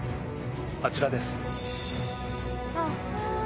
あちらです。